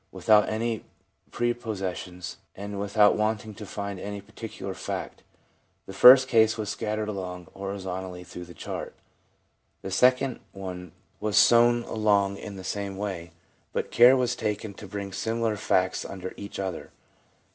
Without any prepossessions, and without wanting to find any particular fact, the first case was scattered along horizontally through the chart. The second one was sown along in the same way, but care was taken to bring similar facts under each other.